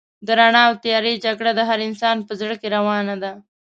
د رڼا او تيارې جګړه د هر انسان په زړه کې روانه ده.